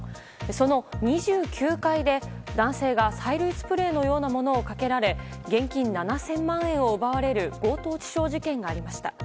その２９階で、男性が催涙スプレーのようなものをかけられ現金７０００万円を奪われる強盗致傷事件がありました。